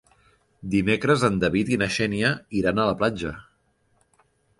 Dimecres en David i na Xènia iran a la platja.